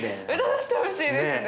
占ってほしいですね。